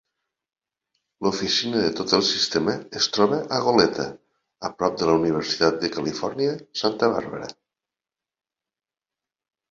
L'oficina de tot el sistema es troba a Goleta, a prop de la Universitat de Califòrnia, Santa Bàrbara.